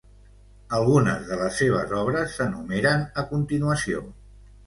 Algunes de les seves obres s'enumeren a continuació.